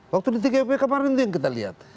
waktu di tiga upp kemarin itu yang kita lihat